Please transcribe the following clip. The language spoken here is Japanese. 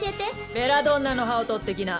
ベラドンナの葉をとってきな。